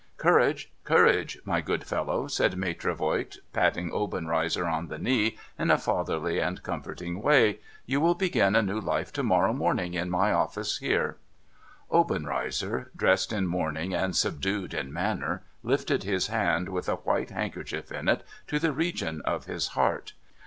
' Courage, courage, my good fellow !' said Maitre Voigt, patting Obenreizer on the knee, in a fatherly and comforting way. ' You will begin a new life to morrow morning in my office here.' Obenreizer — dressed in mourning, and subdued in manner — lifted his hand, with a white handkerchief in it, to the region of his heart.